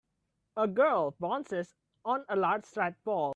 A girl bounces on a large red ball.